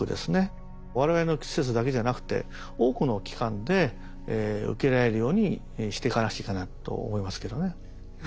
我々の施設だけじゃなくて多くの機関で受けられるようにしていかなくちゃいけないと思いますけどね。